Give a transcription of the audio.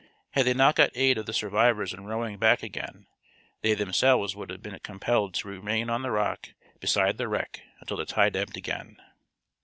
Had they not got aid of the survivors in rowing back again, they themselves would have been compelled to remain on the rock beside the wreck until the tide ebbed again."